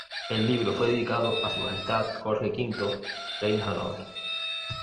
El libro fue dedicado "a su majestad Jorge V, Rey de Hanóver".